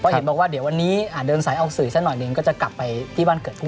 เพราะเห็นว่าวันนี้เดินสายเอาสื่อกิโภนใดหน่อยเราก็จะกลับไปที่บ้านเกือบคุณ